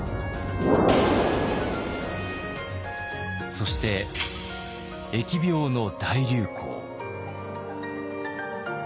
そして疫病の大流行。